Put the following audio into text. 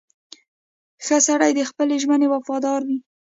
• ښه سړی د خپلې ژمنې وفادار وي.